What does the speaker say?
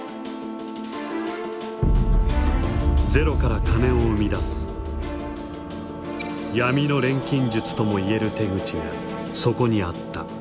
ゼロから金を生み出す闇の錬金術とも言える手口がそこにあった。